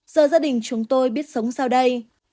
giờ gia đình chúng tôi biết sống sao đây